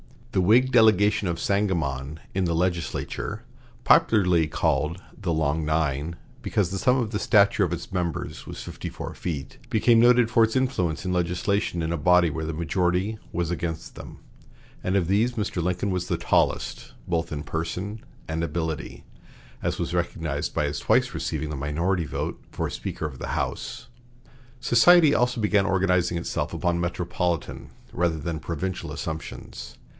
The Whig delegation of Sangamon in the legislature, popularly called the "Long Nine," because the sum of the stature of its members was fifty four feet, became noted for its influence in legislation in a body where the majority was against them; and of these Mr. Lincoln was the "tallest" both in person and ability, as was recognized by his twice receiving the minority vote for Speaker of the House. Society also began organizing itself upon metropolitan rather than provincial assumptions.